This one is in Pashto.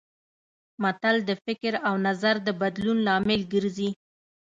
متل د فکر او نظر د بدلون لامل ګرځي